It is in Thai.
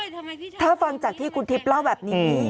ถ้าฟังจากที่คุณทิพย์เล่าแบบนี้